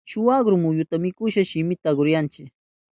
Shuk akru muyuta mikushpan shiminta akruyachin.